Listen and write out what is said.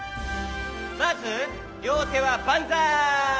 まずりょうてはバンザイ！